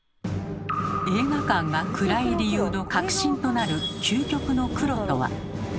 映画館が暗い理由の核心となる「究極の黒」とは。